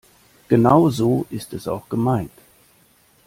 Genau so ist es auch gemeint.